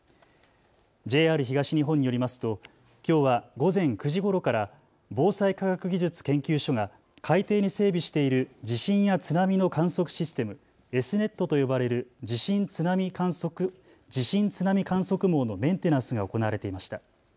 ＪＲ東日本によりますときょうは午前９時ごろから防災科学技術研究所が海底に整備している地震や津波の観測システム、Ｓ−ｎｅｔと呼ばれる地震津波観測網のメンテナンスが行われていました。